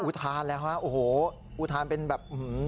ก็อุทานแหละคะอุทานเป็นแบบ